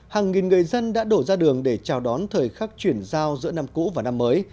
hàng nghìn người dân đã đổ ra đường để chào đón thời khắc chuyển giao giữa năm cũ và năm mới